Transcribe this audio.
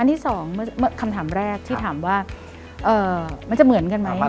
ที่สองคำถามแรกที่ถามว่ามันจะเหมือนกันไหม